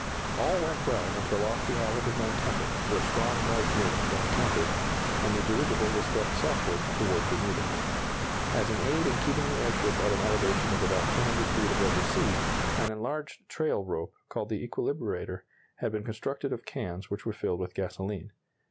All went well until off the island of Nantucket, where strong north winds were encountered, and the dirigible was swept southward toward Bermuda. As an aid in keeping the airship at an elevation of about 200 feet above the sea, an enlarged trail rope, called the equilibrator, had been constructed of cans which were filled with gasoline.